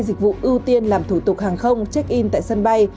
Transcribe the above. dịch vụ ưu tiên làm thủ tục hàng không check in tại sân bay